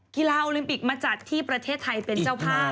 โอลิมปิกมาจัดที่ประเทศไทยเป็นเจ้าภาพ